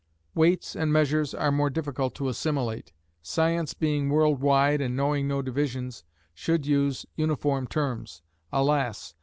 Weights and measures are more difficult to assimilate. Science being world wide, and knowing no divisions, should use uniform terms. Alas!